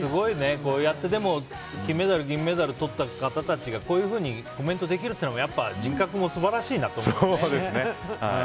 こうやって金メダル、銀メダルをとった方たちがこういうふうにコメントできるっていうのも人格もすばらしいなと思いますね。